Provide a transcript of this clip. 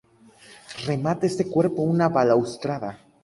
Remata este cuerpo una balaustrada.